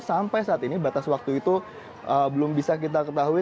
sampai saat ini batas waktu itu belum bisa kita ketahui